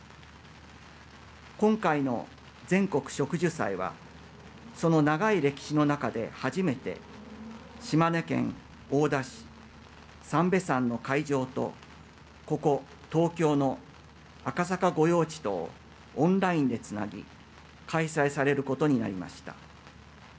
今回の全国植樹祭はその長い歴史の中で初めて島根県大田市三瓶山の会場とここ東京の赤坂御用地とをオンラインでつなぎ開催されることになりました。